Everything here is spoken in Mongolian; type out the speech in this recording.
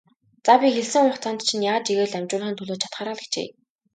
За, би хэлсэн хугацаанд чинь яаж ийгээд л амжуулахын төлөө чадахаараа л хичээе.